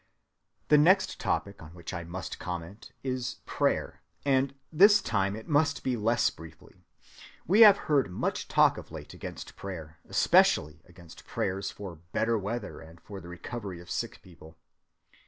(305) ‐‐‐‐‐‐‐‐‐‐‐‐‐‐‐‐‐‐‐‐‐‐‐‐‐‐‐‐‐‐‐‐‐‐‐‐‐ The next topic on which I must comment is Prayer,—and this time it must be less briefly. We have heard much talk of late against prayer, especially against prayers for better weather and for the recovery of sick people.